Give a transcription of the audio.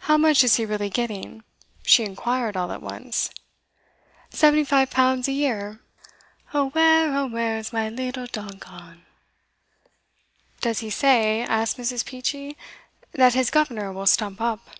'How much is he really getting?' she inquired all at once. 'Seventy five pounds a year. "Oh where, oh where, is my leetle dog gone?"' 'Does he say,' asked Mrs. Peachey, 'that his governor will stump up?